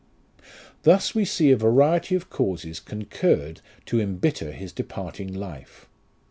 Thus we see a variety of causes concurred to embitter his departing life.